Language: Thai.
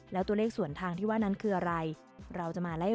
แล้วตัวเลขส่วนทางที่ว่านั้นคืออะไร